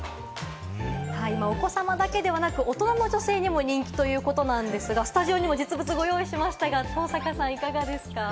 お子様だけではなく、大人の女性にも人気ということなんですが、スタジオにも実物をご用意しましたが、登坂さんいかがですか？